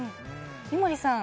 井森さん